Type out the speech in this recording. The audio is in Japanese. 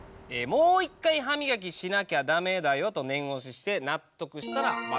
「もう一回歯みがきしなきゃダメだよ」と念押しして納得したらバナナを食べさせる」と。